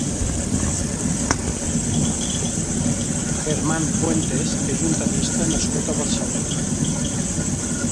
Germán Puentes és un tennista nascut a Barcelona.